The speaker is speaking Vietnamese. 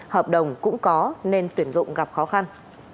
hợp đồng cũng có nên tuyển dụng gặp khó khăn